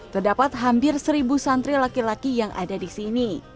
terdapat hampir seribu santri laki laki yang ada di sini